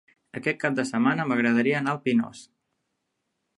Aquest cap de setmana m'agradaria anar al Pinós.